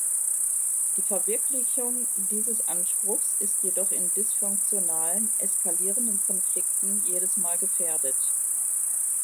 Die Verwirklichung dieses Anspruchs ist jedoch in dysfunktionalen, eskalierenden Konflikten jedes Mal gefährdet.